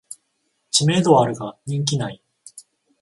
知名度はあるが人気ない